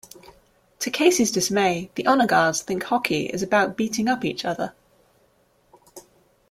To Casey's dismay, the Honor Guards think hockey is about beating up each other.